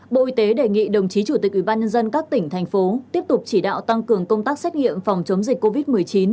bộ y tế đề nghị đồng chí chủ tịch ubnd các tỉnh thành phố tiếp tục chỉ đạo tăng cường công tác xét nghiệm phòng chống dịch covid một mươi chín